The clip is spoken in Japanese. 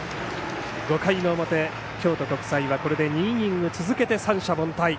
５回の表、京都国際はこれで２イニング続けて三者凡退。